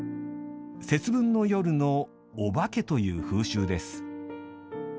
節分の夜の「おばけ」という風習です。